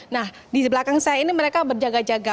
nah di belakang saya ini mereka berjaga jaga